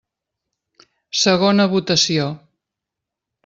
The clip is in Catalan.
Segona votació.